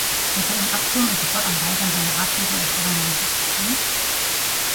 Wird er ihn abtun und sich fortan weigern, seine Ratschläge oder Stellungnahmen zu akzeptieren?